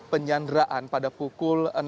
penyanderaan pada pukul